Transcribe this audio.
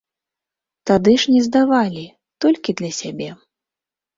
Тады ж не здавалі, толькі для сябе.